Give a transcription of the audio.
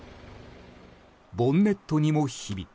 ボンネットにも、ひび。